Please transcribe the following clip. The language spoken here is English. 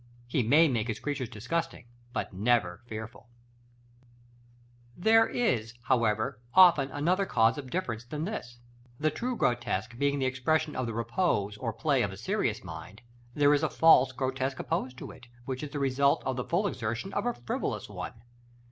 He may make his creatures disgusting, but never fearful. § XLIX. There is, however, often another cause of difference than this. The true grotesque being the expression of the repose or play of a serious mind, there is a false grotesque opposed to it, which is the result of the full exertion of a frivolous one.